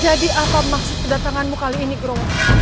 jadi apa maksud kedatanganmu kali ini guru